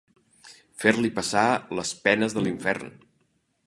Fer-li passar les penes de l'infern.